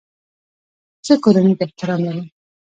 زه کورنۍ ته احترام لرم.